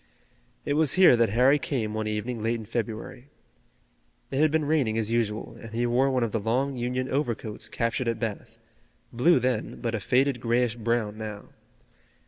It was here that Harry came one evening late in February. It had been raining as usual, and he wore one of the long Union overcoats captured at Bath, blue then but a faded grayish brown now.